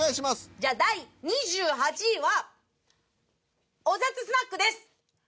じゃあ第２８位はおさつスナックです。